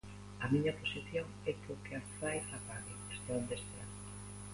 A miña posición é que o que a fai a pague, estea onde estea.